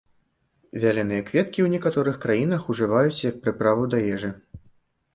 Вяленыя кветкі ў некаторых краінах ужываюць як прыправу да ежы.